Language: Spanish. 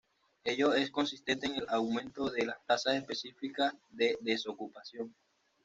Ello es consistente con el aumento de las tasas específicas de desocupación.